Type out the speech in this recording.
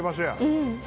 「うん」